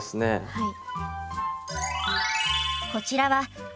はい。